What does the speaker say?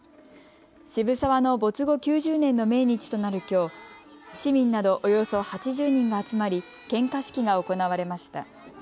渋沢の没後９０年の命日となるきょう、市民などおよそ８０人が集まり献花式が行われました。